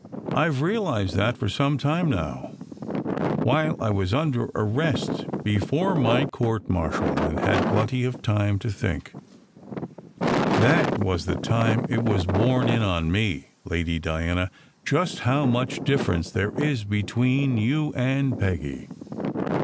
I ve realized that for some time now while I was under arrest before my court martial and had plenty of time to think. That 314 SECRET HISTORY was the time it was borne in on me, Lady Diana, just how much difference there is between you and Peggy."